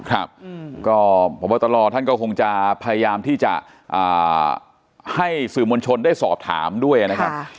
ครับก็พบตรท่านก็คงจะพยายามที่จะให้สื่อมวลชนได้สอบถามด้วยนะครับ